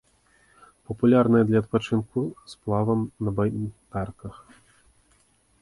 Папулярная для адпачынку сплавам на байдарках.